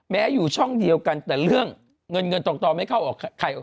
อยู่ช่องเดียวกันแต่เรื่องเงินเงินทองไม่เข้าออกใครออก